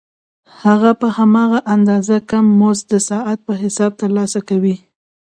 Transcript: هغه په هماغه اندازه کم مزد د ساعت په حساب ترلاسه کوي